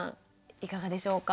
いかがでしょうか？